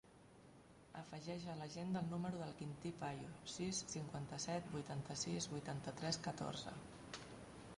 Afegeix a l'agenda el número del Quintí Payo: sis, cinquanta-set, vuitanta-sis, vuitanta-tres, catorze.